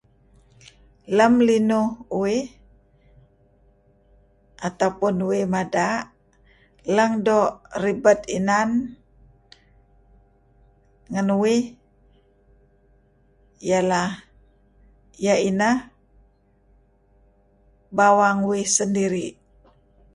Lem linuh uih atau pun uih mada' lang doo' ribad inan ngen uih ial ah iyeh inah bawang uih sendiri'.